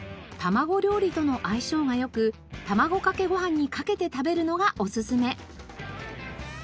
卵料理との相性が良く卵かけご飯にかけて食べるのがおすすめ。